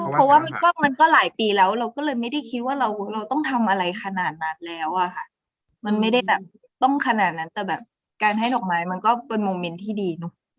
เพราะว่ามันก็หลายปีแล้วเราก็เลยไม่ได้คิดว่าเราต้องทำอะไรขนาดนั้นแล้วอะค่ะมันไม่ได้แบบต้องขนาดนั้นแต่แบบการให้ดอกไม้มันก็เป็นโมเมนต์ที่ดีเนอะ